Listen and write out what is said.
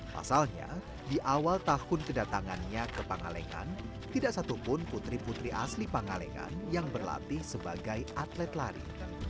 pasalnya di awal tahun kedatangannya ke pangalengan tidak satupun putri putri asli pangalengan yang berlatih sebagai atlet lari